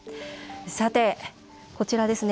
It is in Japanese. さて、こちらですね